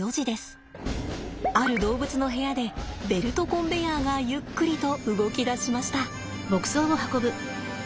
ある動物の部屋でベルトコンベヤーがゆっくりと動き出しました。